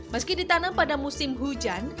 meski ditanam pada musim hujan